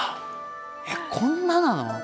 えっこんななの？